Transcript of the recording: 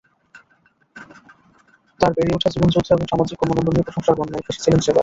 তাঁর বেড়ে ওঠা, জীবনযুদ্ধ এবং সামাজিক কর্মকাণ্ড নিয়ে প্রশংসার বন্যায় ভেসেছিলেন সেবার।